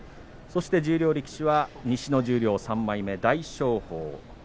そして十両力士西の十両３枚目、大翔鵬。